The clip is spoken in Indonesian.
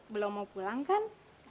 belum mau pulang kan